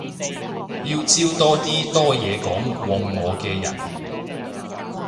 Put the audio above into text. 要招多啲多嘢講過我嘅人